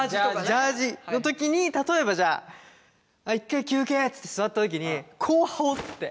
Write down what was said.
ジャージの時に例えばじゃあ一回休憩って座った時にこうはおって。